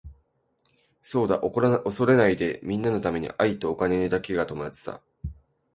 そうだ恐れないでみんなのために愛とお金だけが友達さ。